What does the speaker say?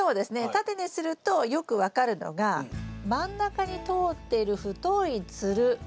縦にするとよく分かるのが真ん中に通っている太いつるがよく分かりますよね。